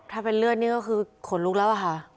ถ้าเป็นเลือดนี่ก็คือขนลุกแล้วอะค่ะ